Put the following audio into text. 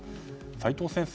齋藤先生